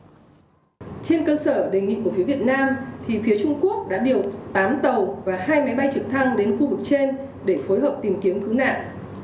trên cơ sở đề nghị của phía việt nam thì phía trung quốc đã điều tám tàu và hai máy bay trực thăng đến khu vực trên để phối hợp tìm kiếm cứu nạn